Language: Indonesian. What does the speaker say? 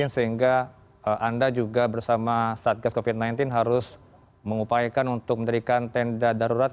sehingga anda juga bersama satgas covid sembilan belas harus mengupayakan untuk mendirikan tenda darurat